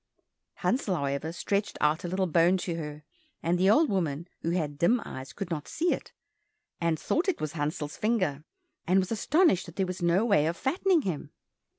Hansel, however, stretched out a little bone to her, and the old woman, who had dim eyes, could not see it, and thought it was Hansel's finger, and was astonished that there was no way of fattening him.